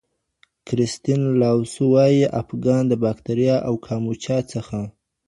کریستین لاوسو وایی آپگان د باکتریا او کاموچا څخه